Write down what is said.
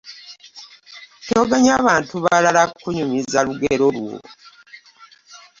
Toganya bantu balala kunyumiza lugero lwo.